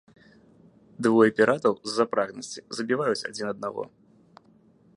Двое піратаў, з-за прагнасці, забіваюць адзін аднаго.